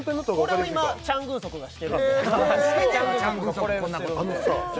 これを今チャン・グンソクがしてるしてねえよ